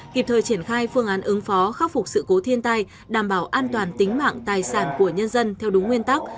kịp thời triển khai phương án ứng phó khắc phục sự cố thiên tai đảm bảo an toàn tính mạng tài sản của nhân dân theo đúng nguyên tắc